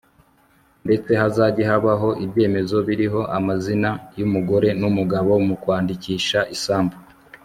ndetse hazajye habaho ibyemezo biriho amazina y'umugore n'umugabo mu kwandikisha isambu